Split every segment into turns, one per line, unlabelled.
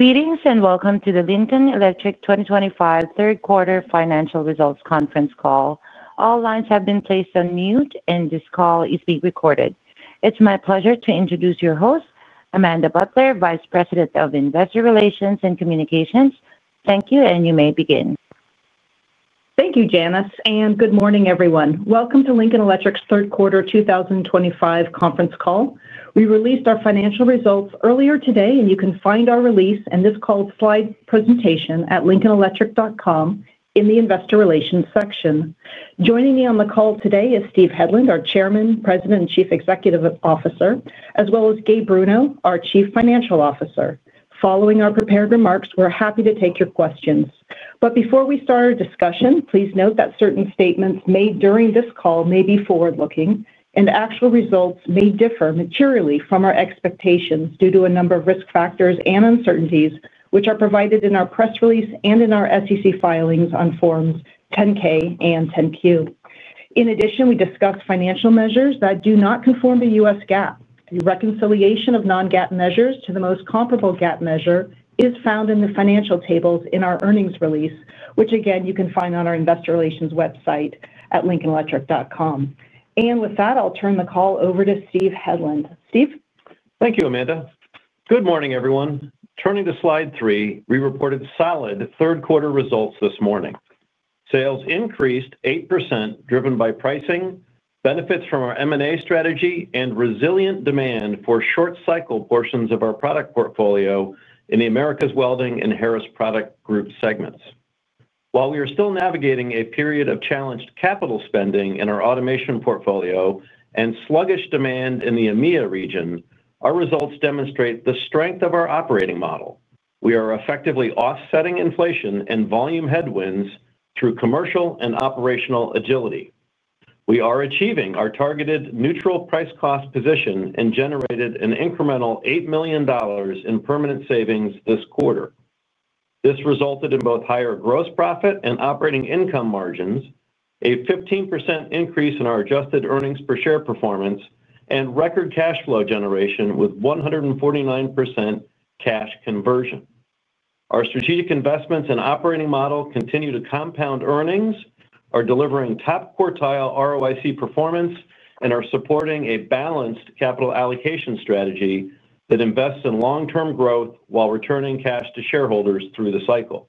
Greetings and welcome to the Lincoln Electric 2025 third quarter financial results conference call. All lines have been placed on mute and this call is being recorded. It's my pleasure to introduce your host, Amanda Butler, Vice President of Investor Relations and Communications. Thank you and you may begin.
Thank you, Janice, and good morning everyone. Welcome to Lincoln Electric's third quarter 2025 conference call. We released our financial results earlier today, and you can find our release and this call slide at lincolnelectric.com in the Investor Relations section. Joining me on the call today is Steven Hedlund, our Chairman, President, and Chief Executive Officer, as well as Gabriel Bruno, our Chief Financial Officer. Following our prepared remarks, we're happy to take your questions. Before we start our discussion, please note that certain statements made during this call may be forward looking, and actual results may differ materially from our expectations due to a number of risk factors and uncertainties, which are provided in our press release and in our SEC filings on Forms 10-K and 10-Q. In addition, we discuss financial measures that do not conform to U.S. GAAP. A reconciliation of non-GAAP measures to the most comparable GAAP measure is found in the financial tables in our earnings release, which again you can find on our Investor Relations website at lincolnelectric.com. With that, I'll turn the call over to Steven Hedlund. Steve.
Thank you, Amanda. Good morning everyone. Turning to Slide 3, we reported solid third quarter results this morning. Sales increased 8% driven by pricing benefits from our M&A strategy and resilient demand for short cycle portions of our product portfolio in the Americas Welding and Harris Products Group segments. While we are still navigating a period of challenged capital spending in our automation portfolio and sluggish demand in the EMEA region, our results demonstrate the strength of our operating model. We are effectively offsetting inflation and volume headwinds through commercial and operational agility. We are achieving our targeted neutral price-cost position and generated an incremental $8 million in permanent savings this quarter. This resulted in both higher gross profit and operating income margins, a 15% increase in our adjusted EPS performance and record cash flow generation with 149% cash conversion. Our strategic investments and operating model continue to compound earnings, are delivering top-quartile ROIC performance and are supporting a balanced capital allocation strategy that invests in long term growth while returning cash to shareholders through the cycle.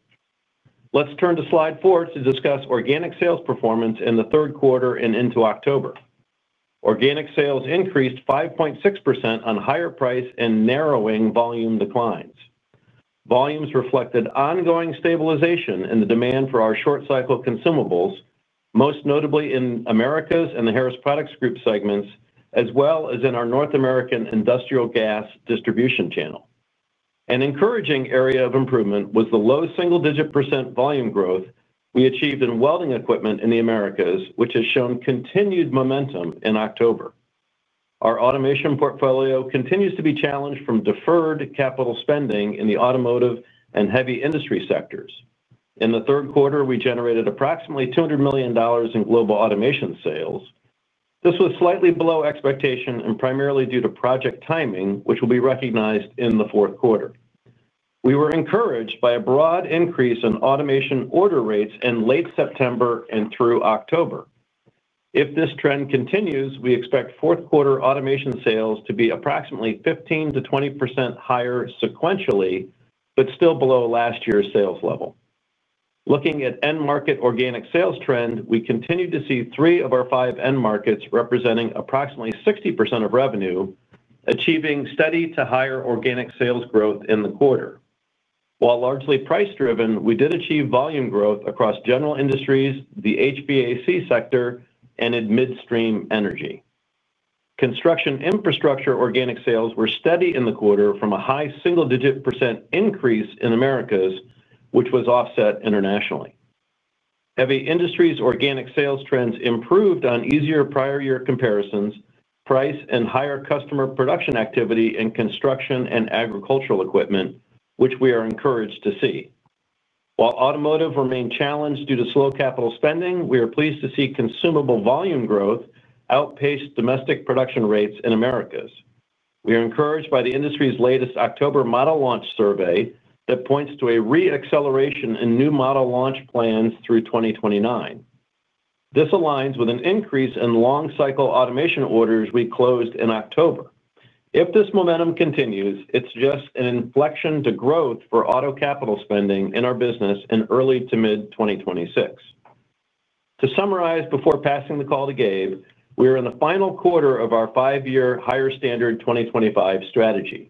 Let's turn to Slide 4 to discuss organic sales performance. In the third quarter and into October, organic sales increased 5.6% on higher price and narrowing volume declines. Volumes reflected ongoing stabilization in the demand for our short cycle consumables, most notably in Americas and the Harris Products Group segments as well as in our North American industrial gas distribution channel. An encouraging area of improvement was the low single digit percentage volume growth we achieved in welding equipment in the Americas which has shown continued momentum in October. Our automation portfolio continues to be challenged from deferred capital spending in the automotive and heavy industry sectors. In the third quarter we generated approximately $200 million in global automation sales. This was slightly below expectation and primarily due to project timing which will be recognized in the fourth quarter. We were encouraged by a broad increase in automation order rates in late September and through October. If this trend continues, we expect fourth quarter automation sales to be approximately 15%-20% higher sequentially but still below last year's sales level. Looking at end market organic sales trend, we continue to see three of our five end markets representing approximately 60% of revenue achieving steady to higher organic sales growth in the quarter. While largely price driven, we did achieve volume growth across general industries, the HVAC sector, and in midstream energy construction infrastructure. Organic sales were steady in the quarter from a high single digit % increase in Americas, which was offset internationally in heavy industries. Organic sales trends improved on easier prior year comparisons, price, and higher customer production activity in construction and agricultural equipment, which we are encouraged to see. While automotive remained challenged due to slow capital spending, we are pleased to see consumable volume growth outpace domestic production rates in Americas. We are encouraged by the industry's latest October model launch survey that points to a re-acceleration in new model launch plans through 2029. This aligns with an increase in long cycle automation orders we closed in October. If this momentum continues, it's just an inflection to growth for auto capital spending in our business in early to mid-2026. To summarize, before passing the call to Gabe, we are in the final quarter of our five year Higher Standard 2025 strategy.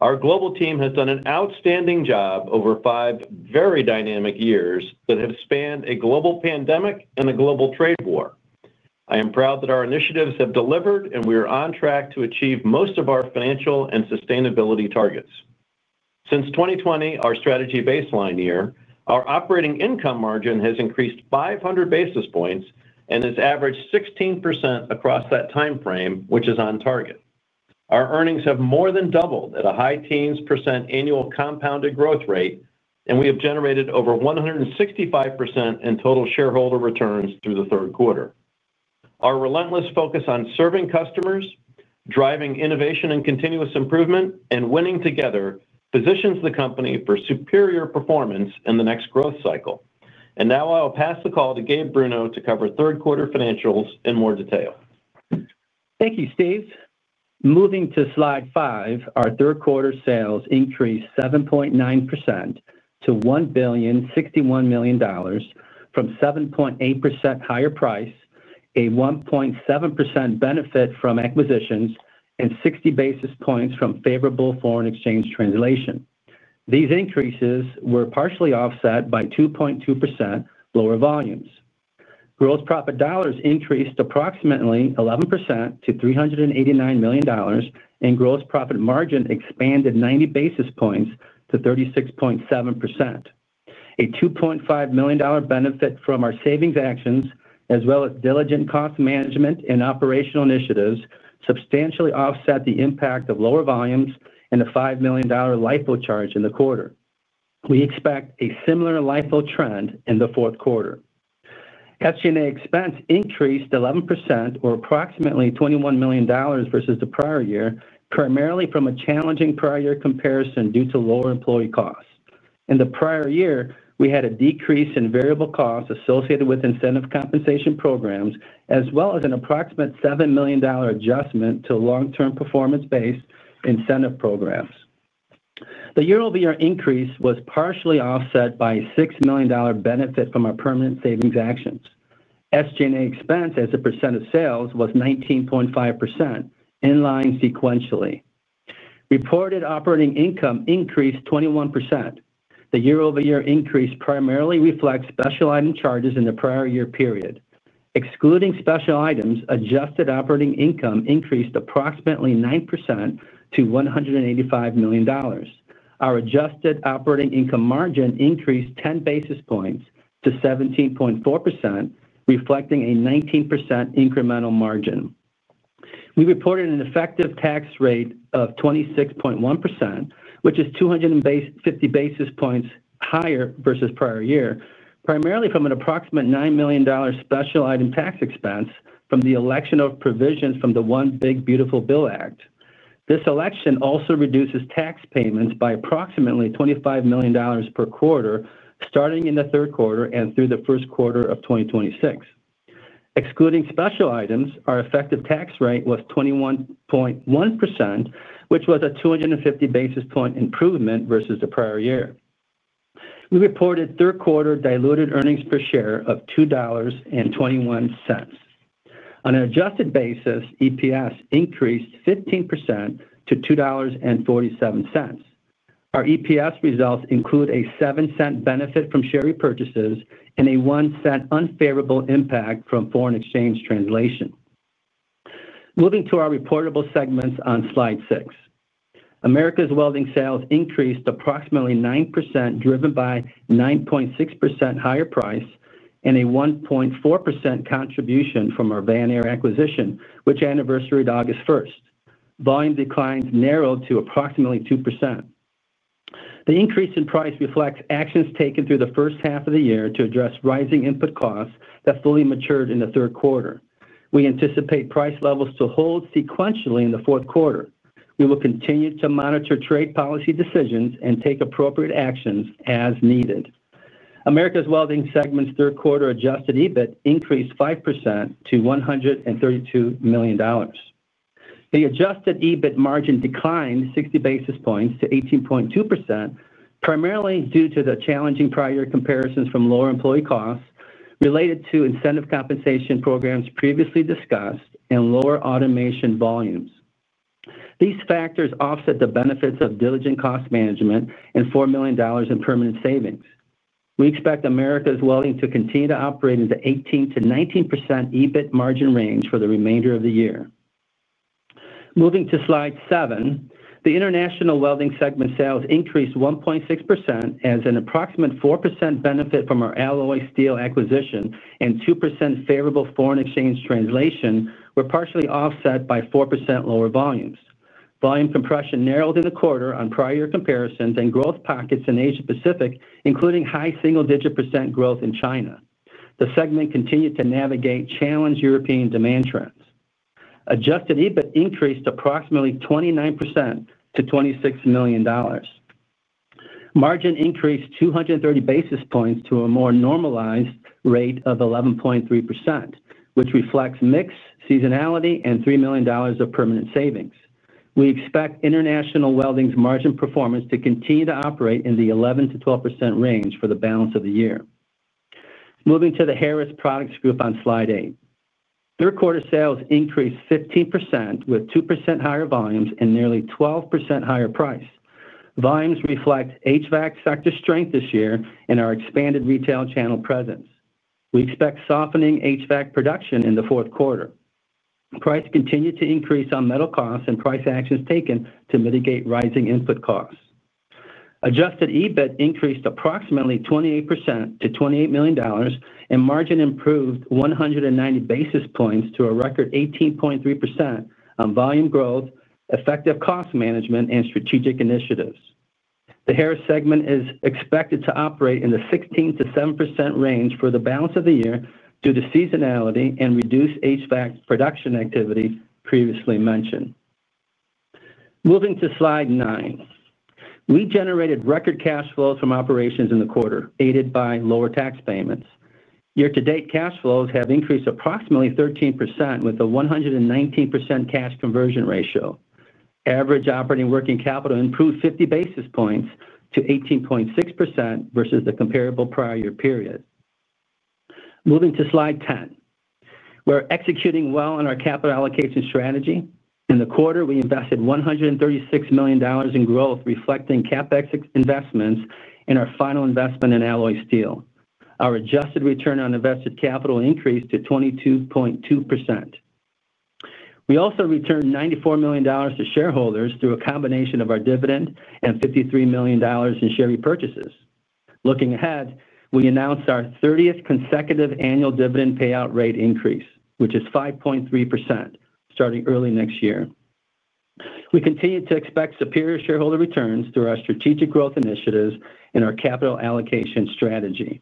Our global team has done an outstanding job over five very dynamic years that have spanned a global pandemic and a global trade war. I am proud that our initiatives have delivered, and we are on track to achieve most of our financial and sustainability targets. Since 2020, our strategy baseline year, our operating income margin has increased 500 basis points and has averaged 16% across that time frame, which is on target. Our earnings have more than doubled at a high teens percentage annual compounded growth rate, and we have generated over 165% in total shareholder returns through the third quarter. Our relentless focus on serving customers, driving innovation and continuous improvement, and winning together positions the company for superior performance in the next growth cycle. Now I'll pass the call to Gabe Bruno to cover third quarter financials in more detail.
Thank you, Steve. Moving to Slide 5, our third quarter sales increased 7.9% to $1,061 million from 7.8% higher price, a 1.7% benefit from acquisitions, and 60 basis points from favorable foreign exchange translation. These increases were partially offset by 2.2% lower volumes. Gross profit dollars increased approximately 11% to $389 million and gross profit margin expanded 90 basis points to 36.7%. A $2.5 million benefit from our savings actions as well as diligent cost management and operational initiatives substantially offset the impact of lower volumes and a $5 million LIFO charge in the quarter. We expect a similar LIFO trend in the fourth quarter. SG&A expense increased 11% or approximately $21 million versus the prior year, primarily from a challenging prior year comparison. Due to lower employee costs in the prior year, we had a decrease in variable costs associated with incentive compensation programs as well as an approximate $7 million adjustment to long-term performance-based incentive programs. The year-over-year increase was partially offset by $6 million benefit from our permanent savings actions. SG&A expense as a percent of sales was 19.5% in line. Sequentially, reported operating income increased 21%. The year-over-year increase primarily reflects special item charges in the prior year period. Excluding special items, adjusted operating income increased approximately 9% to $185 million. Our adjusted operating income margin increased 10 basis points to 17.4%, reflecting a 19% incremental margin. We reported an effective tax rate of 26.1% which is 250 basis points higher versus prior year, primarily from an approximate $9 million special item tax expense from the election of provisions from the One Big Beautiful Bill Act. This election also reduces tax payments by approximately $25 million per quarter starting in the third quarter and through the first quarter of 2026. Excluding special items, our effective tax rate was 21.1% which was a 250 basis point improvement versus the prior year. We reported third quarter diluted earnings per share of $2.21. On an adjusted basis, EPS increased 15% to $2.47. Our EPS results include a $0.07 benefit from share repurchases and a $0.01 unfavorable impact from foreign exchange translation. Moving to our reportable segments on Slide 6, Americas welding sales increased approximately 9% driven by 9.6% higher price and a 1.4% contribution from our Vanar acquisition which anniversaried August 1. Volume declines narrowed to approximately 2%. The increase in price reflects actions taken through the first half of the year to address rising input costs that fully matured in the third quarter. We anticipate price levels to hold sequentially in the fourth quarter. We will continue to monitor trade policy decisions and take appropriate actions as needed. Americas Welding segment's third quarter adjusted EBIT increased 5% to $132 million. The adjusted EBIT margin declined 60 basis points to 18.2% primarily due to the challenging prior year comparisons from lower employee costs related to incentive compensation programs previously discussed and lower automation volumes. These factors offset the benefits of diligent cost management and $4 million in permanent savings. We expect Americas Welding to continue to operate in the 18%-19% EBIT margin range for the remainder of the year. Moving to Slide 7, the International Welding segment sales increased 1.6% as an approximate 4% benefit from our Alloy Steel acquisition and 2% favorable foreign exchange translation were partially offset by 4% lower volumes. Volume compression narrowed in the quarter on prior year comparisons and growth pockets in Asia Pacific including high single digit percentage growth in China. The segment continued to navigate challenged European demand trends. Adjusted EBIT increased approximately 29% to $26 million. Margin increased 230 basis points to a more normalized rate of 11.3% which reflects mix seasonality and $3 million of permanent savings. We expect International Welding's margin performance to continue to operate in the 11-12% range for the balance of the year. Moving to the Harris Products Group on Slide 8, third quarter sales increased 15% with 2% higher volumes and nearly 12% higher price. Volumes reflect HVAC sector strength this year and our expanded retail channel presence. We expect softening HVAC production in the fourth quarter. Price continued to increase on metal costs and pricing actions taken to mitigate rising input costs. Adjusted EBIT increased approximately 28% to $28 million and margin improved 190 basis points to a record 18.3% on volume growth. Effective cost management and strategic initiatives, the Harris segment is expected to operate in the 16%-17% range for the balance of the year due to seasonality and reduced HVAC production activity previously mentioned. Moving to Slide 9, we generated record cash flows from operations in the quarter, aided by lower tax payments. Year to date, cash flows have increased approximately 13% with a 119% cash conversion ratio. Average operating working capital improved 50 basis points to 18.6% versus the comparable prior year period. Moving to Slide 10, we're executing well on our capital allocation strategy. In the quarter, we invested $136 million in growth, reflecting CapEx investments and our final investment in Alloy Steel. Our adjusted return on invested capital increased to 22.2%. We also returned $94 million to shareholders through a combination of our dividend and $53 million in share repurchases. Looking ahead, we announced our 30th consecutive annual dividend payout rate increase, which is 5.3% starting early next year. We continue to expect superior shareholder returns through our strategic growth initiatives and our capital allocation strategy.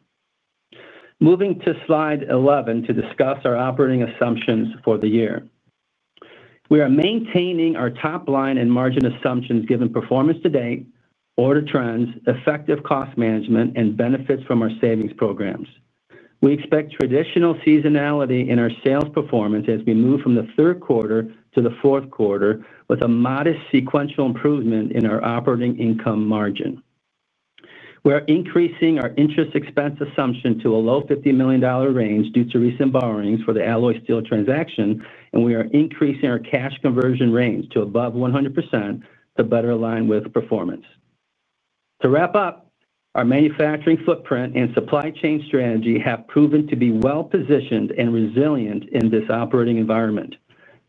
Moving to Slide 11 to discuss our operating assumptions for the year, we are maintaining our top line and margin assumptions given performance to date, order trends, effective cost management, and benefits from our savings programs. We expect traditional seasonality in our sales performance as we move from the third quarter to the fourth quarter, with a modest sequential improvement in our operating income margin. We are increasing our interest expense assumption to a low $50 million range due to recent borrowings for the Alloy Steel transaction, and we are increasing our cash conversion range to above 100% to better align with performance. To wrap up, our manufacturing footprint and supply chain strategy have proven to be well positioned and resilient in this operating environment.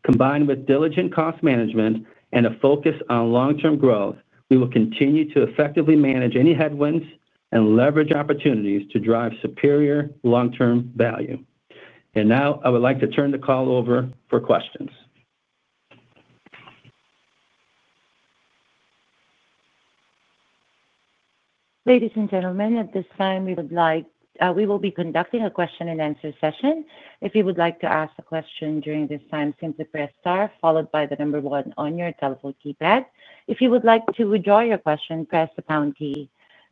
Combined with diligent cost management and a focus on long term growth, we will continue to effectively manage any headwinds and leverage opportunities to drive superior long term value. Now I would like to turn the call over for questions.
Ladies and gentlemen, at this time we will be conducting a question and answer session. If you would like to ask a question during this time, simply press star followed by the number one on your telephone keypad. If you would like to withdraw your question, press the pound key.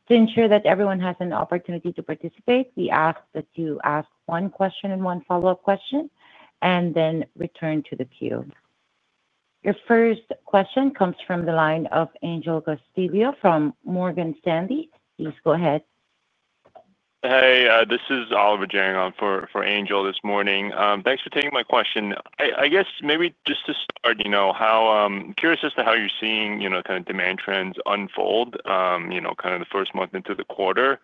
To ensure that everyone has an opportunity to participate, we ask that you ask one question and one follow up question and then return to the queue. Your first question comes from the line of Angel Gustavo from Morgan Stanley. Please go ahead. Hey, this is Oliver Jarringan for Angel this morning. Thanks for taking my question. I guess maybe just to start, curious as to how you're seeing kind of demand trends unfold kind of the first month into the quarter,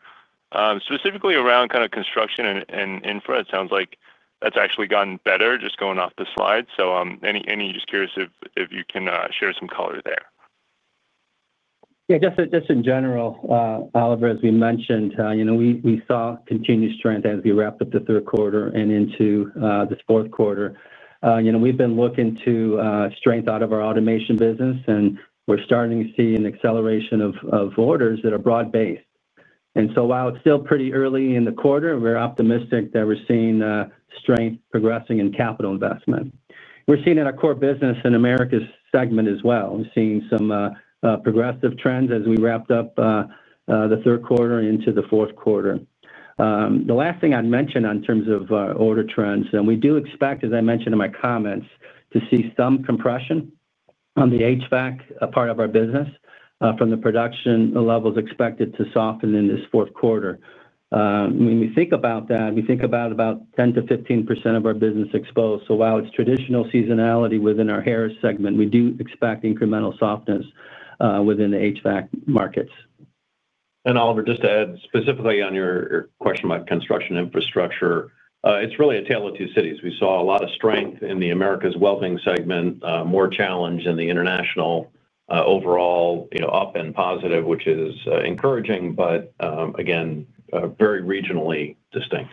specifically around kind of construction and infra. It sounds like that's actually gotten better just going off the slide. Any just curious if you can share some color there.
Yeah, just in general Oliver, as we mentioned, you know we saw continued strength as we wrapped up the third quarter and into this fourth quarter, you know, we've been looking to strength out of our automation business and we're starting to see an acceleration of orders that are broad based. While it's still pretty early in the quarter, we're optimistic that we're seeing strength progressing in capital investment. We're seeing in our core business in Americas segment as well. We're seeing some progressive trends as we wrapped up the third quarter into the fourth quarter. The last thing I'd mention in terms of order trends, we do expect, as I mentioned in my comments, to see some compression on the HVAC part of our business from the production levels expected to soften in this fourth quarter. When we think about that, we think about about 10% to 15% of our business exposed. While it's traditional seasonality within our Harris Products Group segment, we do expect incremental softness within the HVAC markets.
Oliver, just to add specifically on your question about construction infrastructure, it's really a tale of two cities. We saw a lot of strength in the Americas welding segment. More challenge in the International overall, up and positive, which is encouraging but again very regionally distinct.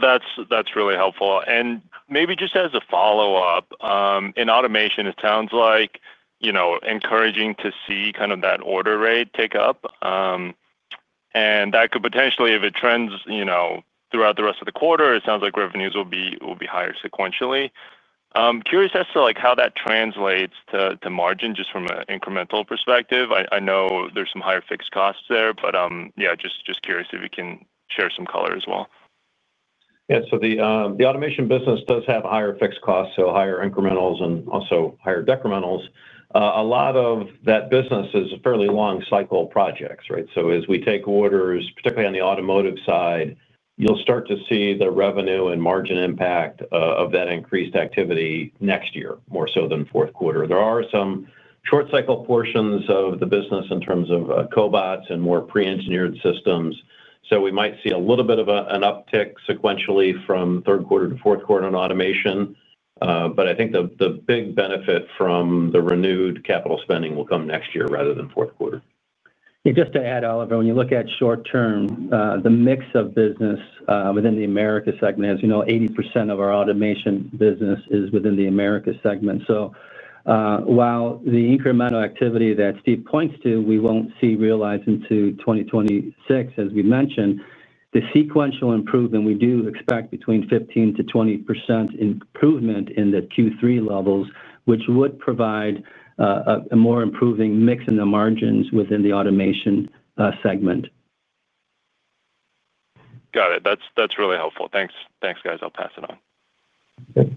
That's really helpful. Maybe just as a follow up in automation, it sounds like encouraging to see kind of that order rate tick up and that could potentially, if it trends throughout the rest of the quarter, it sounds like revenues will be higher sequentially. Curious as to how that translates to margin just from an incremental perspective. I know there's some higher fixed costs there, but just curious if you can share some color as well. Yeah, so the automation business does have higher fixed costs, so higher incrementals and also higher decrementals. A lot of that business is fairly long cycle projects. Right. As we take orders, particularly on the automotive side, you'll start to see the revenue and margin impact of that increased activity next year more so than fourth quarter. There are some short cycle portions of the business in terms of cobots and more pre-engineered systems. We might see a little bit of an uptick sequentially from third quarter to fourth quarter in automation. I think the big benefit from the renewed capital spending will come next year rather than fourth quarter.
Just to add, Oliver, when you look at short term, the mix of business within the Americas segment, as you know, 80% of our automation business is within the Americas segment. While the incremental activity that Steve points to we won't see realized into 2026, as we mentioned, the sequential improvement we do expect between 15% to 20% improvement in the Q3 levels, which would provide a more improving mix in the margins within the automation segment. Got it. That's. That's really helpful. Thanks. Thanks, guys. I'll pass it on.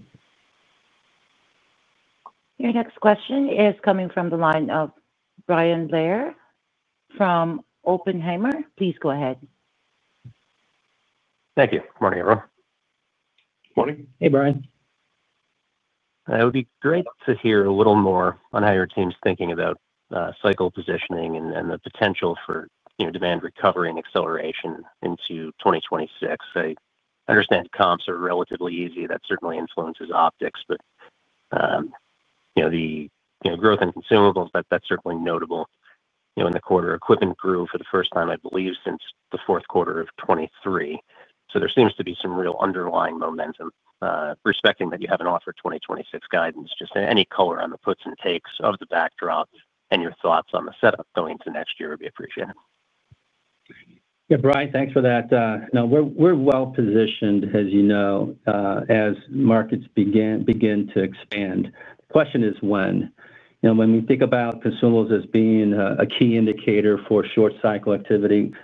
Your next question is coming from the line of Brian Blair from Oppenheimer. Please go ahead.
Thank you. Morning everyone.
Morning.
Hey Brian.
It would be great to. Hear a little more on how your team's thinking about cycle positioning and the potential for demand recovery and acceleration into 2026. I understand comps are relatively easy, that certainly influences optics. The growth in consumables, that's certainly notable. In the quarter, equipment grew for the first time, I believe since 4Q 2023. There seems to be some real underlying momentum. Respecting that, you haven't offered 2026 guidance, just any color on the puts and takes of the backdrop and your thoughts on the setup going into next year would be appreciated.
Brian, thanks for that. Now we're well positioned as you know, as markets begin to expand. The question is when. When we think about consumables as being a key indicator for short cycle activity,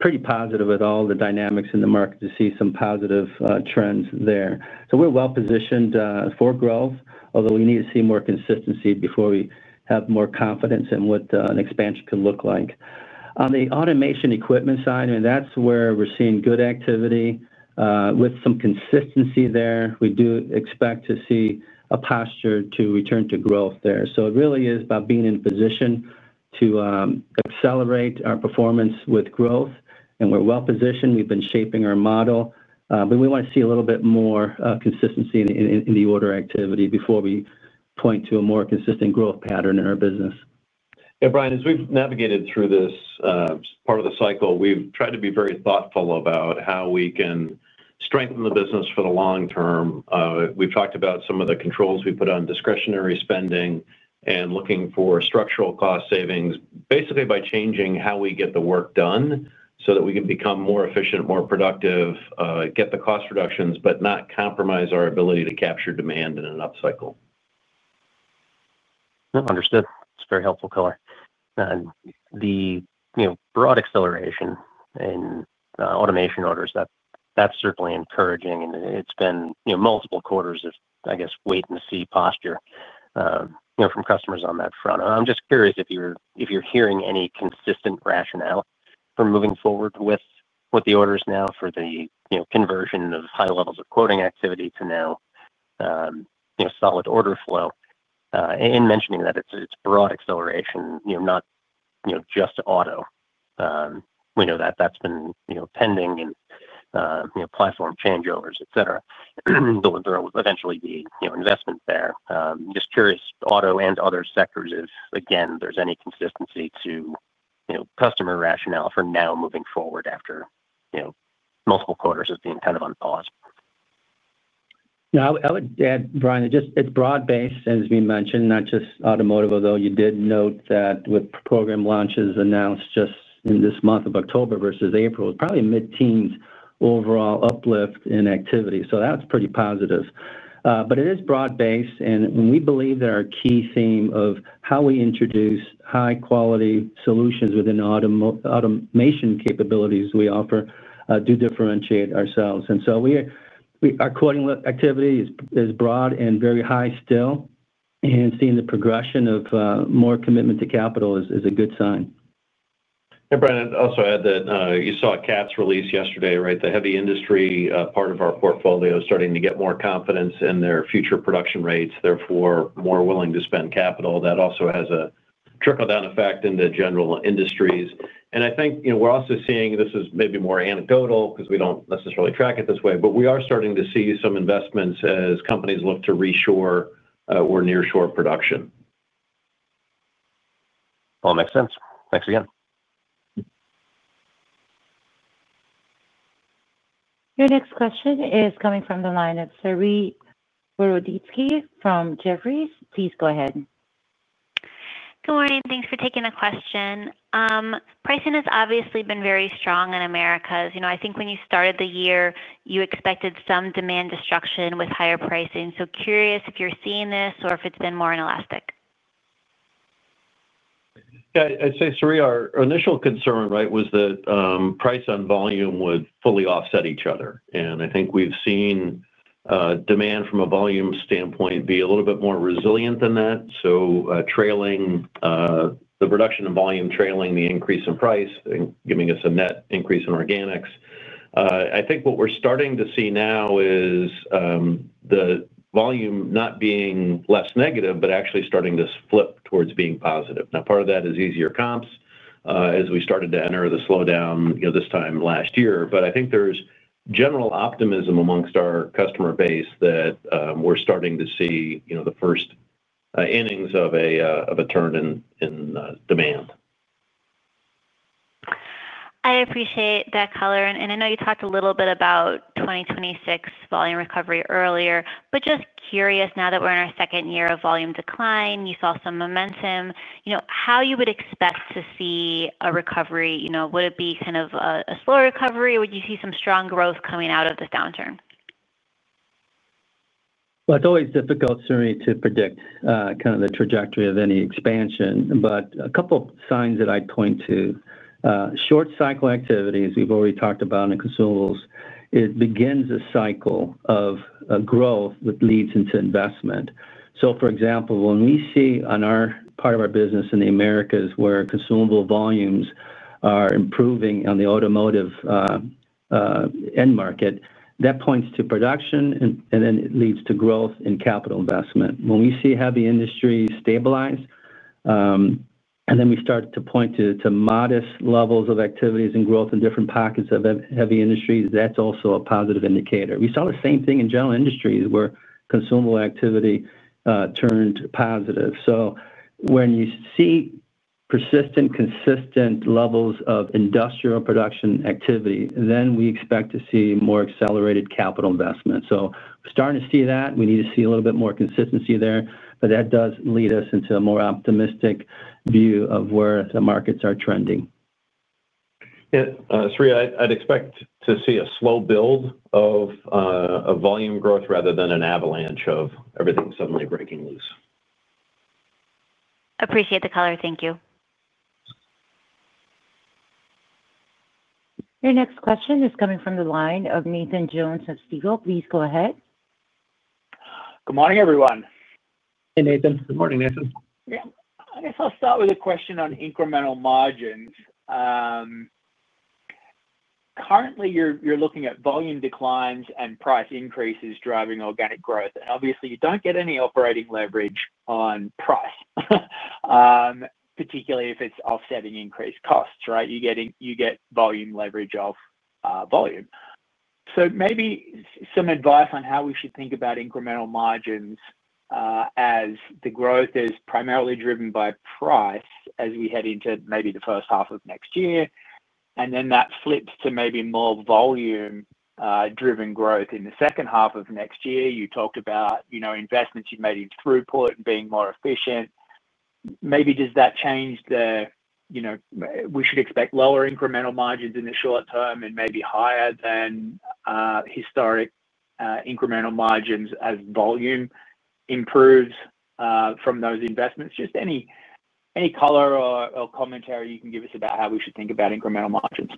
pretty positive at all the dynamics in the market to see some positive trends there. We're well positioned for growth, although we need to see more consistency before we have more confidence in what an expansion could look like. On the automation equipment side, that's where we're seeing good activity with some consistency there. We do expect to see a posture to return to growth there. It really is about being in position to accelerate our performance with growth, and we're well positioned. We've been shaping our model, but we want to see a little bit more consistency in the order activity before we point to a more consistent growth pattern in our business.
Brian, as we've navigated through this part of the cycle, we've tried to be very thoughtful about how we can strengthen the business for the long term. We've talked about some of the controls we put on discretionary spending and looking for structural cost savings, basically by changing how we get the work done so that we can become more efficient, more productive, get the cost reductions, but not compromise our ability to capture demand in an upcycle.
Understood. It's very helpful. Color the broad acceleration in automation orders, that's certainly encouraging, and it's been multiple quarters of, I guess, wait and see posture from customers on that front. I'm just curious if you're hearing any consistent rationale for moving forward with the orders now for the conversion of high levels of quoting activity to now solid order flow in mentioning that it's broad acceleration, not just auto. We know that that's been pending and platform changeovers, etc. There will eventually be investment there. Just curious, auto and other sectors, again, if there's any consistency to customer rationale for now moving forward after multiple quarters of being kind of on pause.
I would add, Brian, it's broad based as we mentioned, not just automotive. Although you did note that with program launches announced just in this month of October versus April, probably mid teens overall uplift in activity. That's pretty positive. It is broad based, and we believe that our key theme of how we introduce high quality solutions within automation capabilities we offer do differentiate ourselves, and so our quoting activities is broad and very high still, and seeing the progression of more commitment to capital is a good sign.
Brian, I'd also add that you saw a CAT's release yesterday, right? The heavy industry part of our portfolio is starting to get more confidence in their future production rates, therefore more willing to spend capital. That also has a trickle-down effect in the general industries. I think you know we're also seeing this is maybe more anecdotal because we don't necessarily track it this way, but we are starting to see some investments as companies look to reshore or nearshore production.
All makes sense. Thanks again. Good morning. Thanks for taking the question. Pricing has obviously been very strong in Americas. I think when you started the year you expected some demand destruction with higher pricing. Curious if you're seeing this or if it's been more inelastic.
I'd say, Siri, our initial concern right was that price on volume would fully offset each other. I think we've seen demand from a volume standpoint be a little bit more resilient than that. Trailing the production and volume, trailing the increase in price, giving us a net increase in organics. I think what we're starting to see now is the volume not being less negative but actually starting to flip towards being positive. Part of that is easier comps as we started to enter the slowdown this time last year. I think there's general optimism amongst our customer base that we're starting to see the first innings of a turn in demand. I appreciate that color and I know you talked a little bit about 2026 volume recovery earlier, but just curious now that we're in our second year of volume decline, you saw some momentum, how you would expect to see a recovery. Would it be kind of a slower recovery? Would you see some strong growth coming out of this downturn?
It's always difficult, Siri, to predict kind of the trajectory of any expansion. A couple signs that I'd point to are short cycle activity. As we've already talked about in consumables, it begins a cycle of growth that leads into investment. For example, when we see on our part of our business in the Americas where consumable volumes are improving on the automotive end market, that points to production and then it leads to growth in capital investment. When we see heavy industries stabilize and then we start to point to modest levels of activities and growth in different pockets of heavy industries, that's also a positive indicator. We saw the same thing in general industries where consumable activity turned positive. When you see persistent, consistent levels of industrial production activity, we expect to see more accelerated capital investment. We're starting to see that. We need to see a little bit more consistency there. That does lead us into a more optimistic view of where the markets are trending.
I'd expect to see a slow build of volume growth rather than an avalanche of everything suddenly breaking loose. Appreciate the color. Thank you.
Your next question is coming from the line of Nathan Jones of Stifel. Please go ahead.
Good morning, everyone.
Hey, Nathan.
Good morning, Nathan.
I guess I'll start with a question on incremental margins. Currently you're looking at volume declines and price increases driving organic growth. Obviously you don't get any operating leverage on price, particularly if it's offsetting increased costs. Right. You get volume leverage of volume. Maybe some advice on how we should think about incremental margins as the growth is primarily driven by price as we head into maybe the first half of next year, and then that flips to maybe more volume driven growth in the second half of next year. You talked about investments you've made in throughput and being more efficient. Maybe. Does that change the, you know, we should expect lower incremental margins in the short term and maybe higher than historic incremental margins as volume improves from those investments? Just any color or commentary you can give us about how we should think about incremental margins?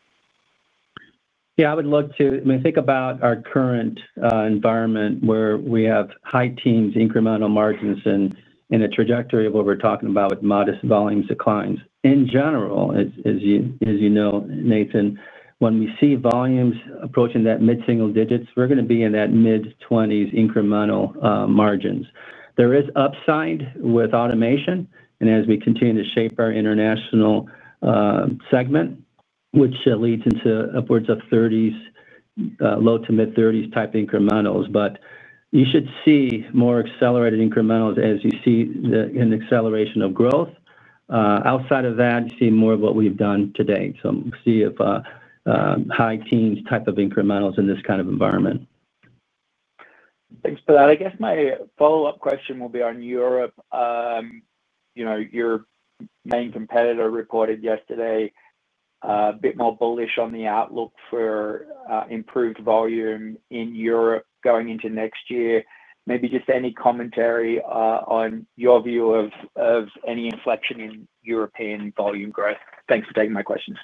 Yeah, I would look to when I think about our current environment where we have high teens incremental margins and in a trajectory of what we're talking about with modest volumes, declines in general, as you know, Nathan, when we see volumes approaching that mid single digits, we're going to be in that mid-20% incremental margins. There is upside with automation and as we continue to shape our international segment, which leads into upwards of 30%, low to mid-30% type incrementals, but you should see more accelerated incrementals as you see an acceleration of growth. Outside of that, you see more of what we've done today. See high teens type of incrementals in this kind of environment. Thanks for that.
I guess my follow up question will be on Europe. You know, your main competitor reported yesterday a bit more bullish on the outlook for improved volume in Europe going into next year. Maybe just any commentary on your view of any inflection in European volume growth? Thanks for taking my questions.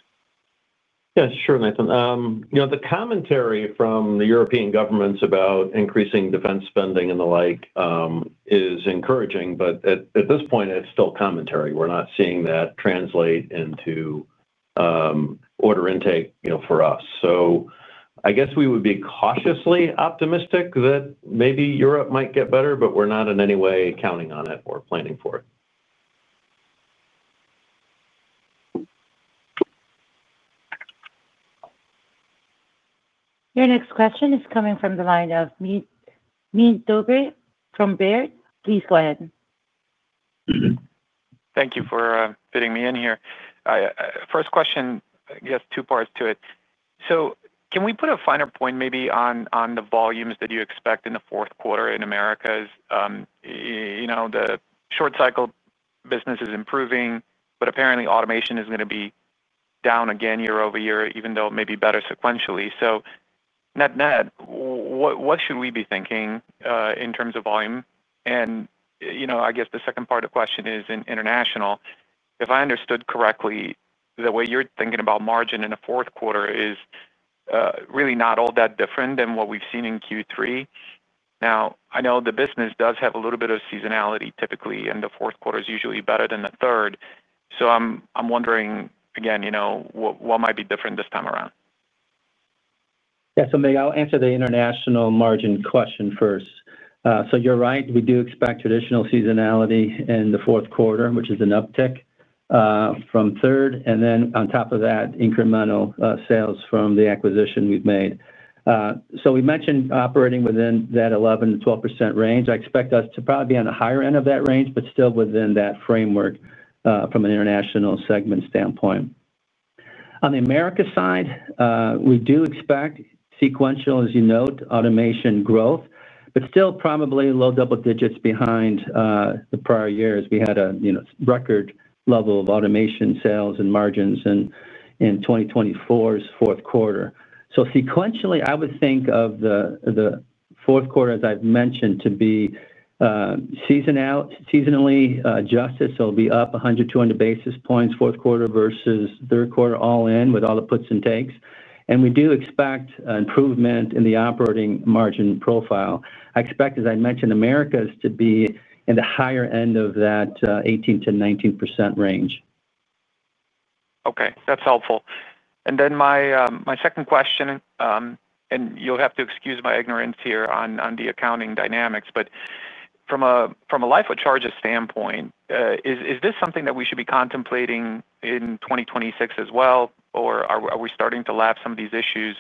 Yeah, sure, Nathan. The commentary from the European governments about increasing defense spending and the like is encouraging, but at this point it's still commentary. We're not seeing that translate into order intake for us. I guess we would be cautiously optimistic that maybe Europe might get better, but we're not in any way counting on it or planning for it.
Your next question is coming from the line of Mircea Dobre from Baird. Please go ahead.
Thank you for fitting me in here. First question has two parts to it. Can we put a finer point maybe on the volumes that you expect in the fourth quarter in Americas? The short cycle business is improving, but apparently automation is going to be down again year over year, even though it may be better sequentially. Net net, what should we be thinking in terms of volume? I guess the second part of the question is in international, if I understood correctly, the way you're thinking about margin in the fourth quarter is really not all that different than what we've seen in Q3. I know the business does have a little bit of seasonality typically, and the fourth quarter is usually better than the third. I'm wondering again, what might be different this time around?
I'll answer the international margin question first. You're right, we do expect traditional seasonality in the fourth quarter, which is an uptick from third, and then on top of that, incremental sales from the acquisition we've made. We mentioned operating within that 11%-12% range. I expect us to probably be on the higher end of that range, but still within that framework from an International segment standpoint. On the Americas side, we do expect sequential, as you note, automation growth, but still probably low double digits behind the prior year as we had a record level of automation sales and margins in 2024's fourth quarter. Sequentially, I would think of the fourth quarter, as I've mentioned, to be seasonally adjusted. It'll be up 100 basis points-200 basis points fourth quarter versus third quarter all in with all the puts and takes. We do expect improvement in the operating margin profile. I expect, as I mentioned, Americas to be in the higher end of that 18%-19% range.
Okay, that's helpful. My second question, and you'll have to excuse my ignorance here on the accounting dynamics, but from a life of charges standpoint, is this something that we should be contemplating in 2026 as well or are we starting to lap some of these issues?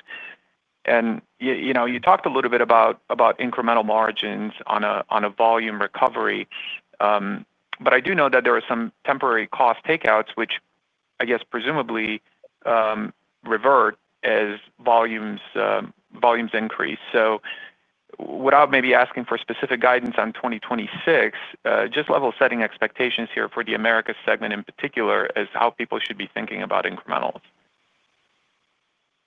You talked a little bit about incremental margins on a volume recovery, but I do know that there are some temporary cost takeouts which I guess presumably revert as volumes increase. Without maybe asking for specific guidance on 2026, just level setting expectations here for the Americas segment in particular as how people should be thinking about incrementals.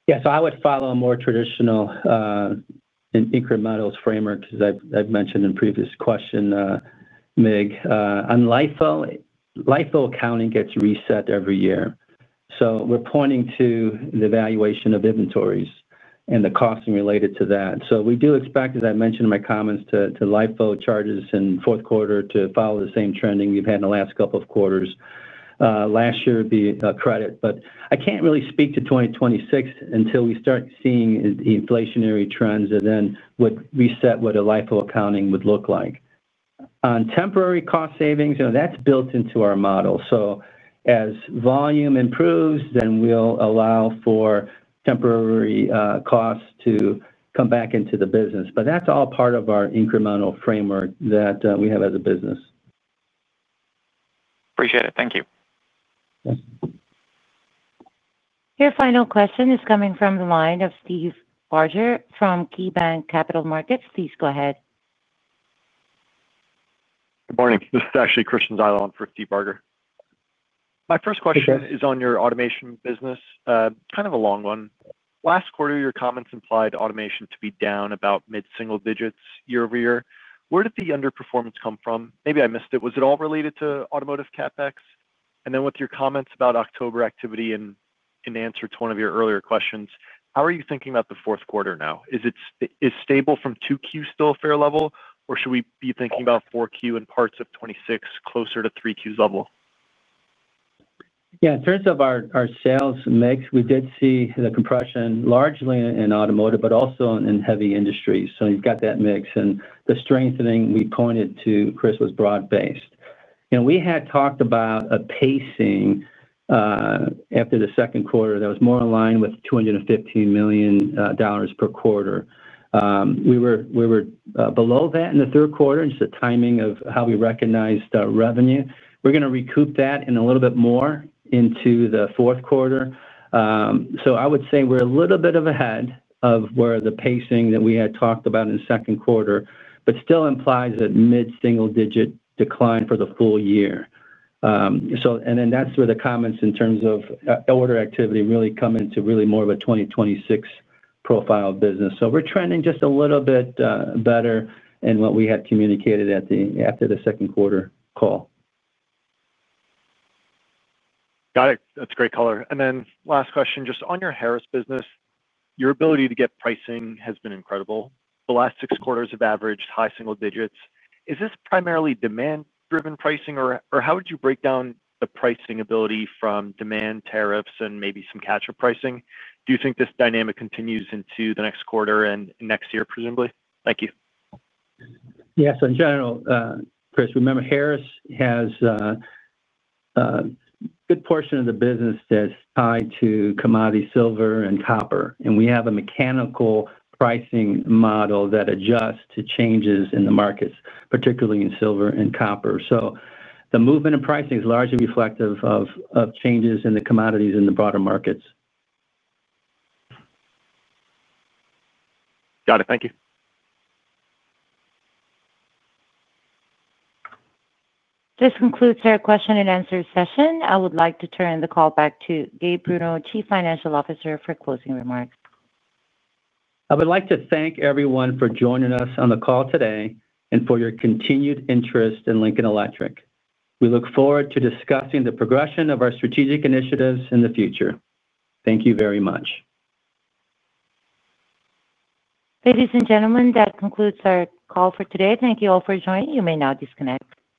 Yes, I would follow a more traditional and incremental framework. As I've mentioned in previous questions on LIFO, LIFO accounting gets reset every year, so we're pointing to the valuation of inventories and the costing related to that. We do expect, as I mentioned in my comments, LIFO charges in the fourth quarter to follow the same trending we've had in the last couple of quarters last year, be a credit. I can't really speak to 2026 until we start seeing inflationary trends. That would reset what LIFO accounting would look like. On temporary cost savings, that's built into our model. As volume improves, we'll allow for temporary costs to come back into the business. That's all part of our incremental framework that we have as a business.
Appreciate it. Thank you.
Your final question is coming from the line of Steve Barger from KeyBanc Capital Markets. Please go ahead. Good morning, this is actually Christian Zeilon for Steve Barger. My first question is on your automation business. Kind of a long one. Last quarter your comments implied automation too. Be down about mid-single digits year over year. Where did the underperformance come from? Maybe I missed it. Was it all related to automotive CapEx? With your comments about October activity and in answer to one of your earlier questions, how are you thinking. About the fourth quarter now? Is stable from 2Q still a fair level, or should we be thinking about 4Q and parts of 2026 closer to 3Q's level?
Yeah. In terms of our sales mix, we did see the compression largely in automotive but also in heavy industries. You've got that mix. The strengthening we pointed to, Chris, was broad based and we had talked about a pacing after the second quarter that was more in line with $215 million per quarter. We were below that in the third quarter, and just the timing of how we recognized revenue, we're going to recoup that a little bit more into the fourth quarter. I would say we're a little bit ahead of where the pacing that we had talked about in the second quarter, but it still implies that mid single digit decline for the full year. That's where the comments in terms of order activity really come into really more of a 2026 profile business. We're trending just a little bit better than what we had communicated after the second quarter call. Got it. That's great. Color. Last question, just on your Harris Products Group business, your ability to get pricing has been incredible. The last six quarters have averaged high single digits. Is this primarily demand driven pricing or. How would you break down the pricing ability from demand, tariffs, and maybe some catch up pricing? Do you think this dynamic continues into the next quarter and next year? Presumably. Thank you. Yes. In general, Chris, remember Harris has. Good. Portion of the business that's tied to commodity silver and copper. We have a mechanical pricing model that adjusts to changes in the markets, particularly in silver and copper. The movement of pricing is largely reflective of changes in the commodities in the broader markets. Got it. Thank you.
This concludes our question and answer session. I would like to turn the call back to Gabriel Bruno, Chief Financial Officer, for closing remarks.
I would like to thank everyone for joining us on the call today and for your continued interest in Lincoln Electric. We look forward to discussing the progression of our strategic initiatives in the future. Thank you very much.
Ladies and gentlemen, that concludes our call for today. Thank you all for joining. You may now disconnect.